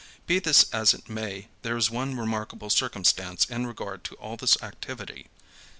Be this as it may, there is one remarkable circumstance in regard to all this activity.